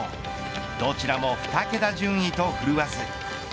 どちらも２桁順位と振るわず。